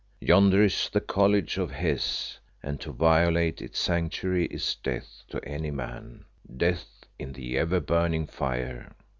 Yonder is the College of Hes, and to violate its Sanctuary is death to any man, death in the ever burning fire."